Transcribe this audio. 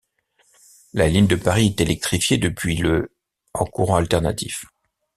La ligne de Paris est électrifiée depuis le en courant alternatif -.